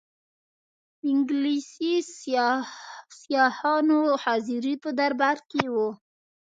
انګلیسي سیاحانو حاضري په دربار کې وه.